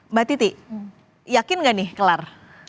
mbak titi yakin nggak nih kelar